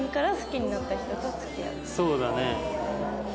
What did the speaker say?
そうだね。